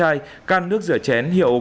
và hai mươi tám can nước giặt hiệu philelai